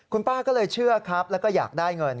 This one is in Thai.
คุณป้าก็เลยเชื่อครับแล้วก็อยากได้เงิน